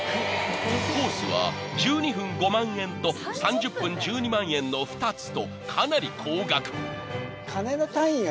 ［コースは１２分５万円と３０分１２万円の２つとかなり高額］